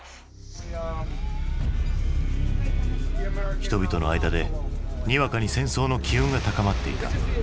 人々の間でにわかに戦争の機運が高まっていた。